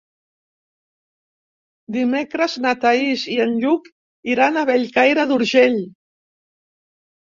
Dimecres na Thaís i en Lluc iran a Bellcaire d'Urgell.